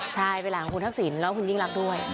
ใช่เป็นหลานของคุณทักษิณแล้วก็คุณยิ่งรักด้วย